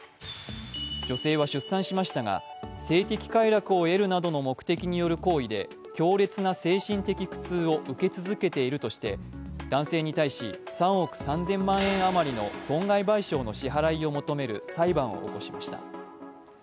女性は出産しましたが性的快楽を得るなどの目的による行為で強烈な精神的苦痛を受け続けているとして男性に対し、３億３０００万円あまりの損害賠償の支払いを求める裁判を起こしました。